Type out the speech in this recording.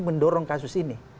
mendorong kasus ini